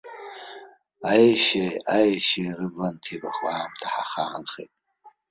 Аешьеи аешьеи рыбла анҭибахуа аамҭа ҳахаанхеит.